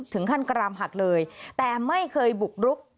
ถึงขั้นกรามหักเลยแต่ไม่เคยบุกรุก